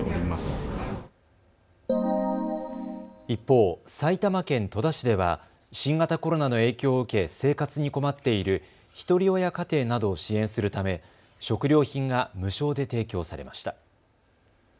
一方、埼玉県戸田市では新型コロナの影響を受け生活に困っているひとり親家庭などを支援するため食料品が無償で提供されました。